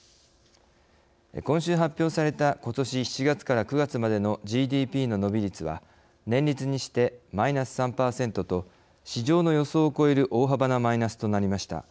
今週発表されたことし７月から９月までのＧＤＰの伸び率は年率にしてマイナス３％と市場の予想を超える大幅なマイナスとなりました。